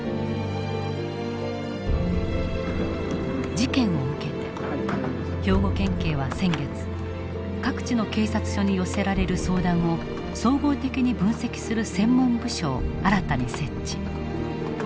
事件を受けて兵庫県警は先月各地の警察署に寄せられる相談を総合的に分析する専門部署を新たに設置。